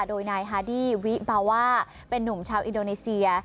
โดยนายฮาดี้วิบาว่าเป็นนุ่มชาวอินโดนีเซีย